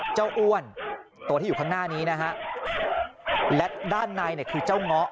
เจ้าอ้วนตัวที่อยู่ข้างหน้านี้นะฮะและด้านในน่ะคือ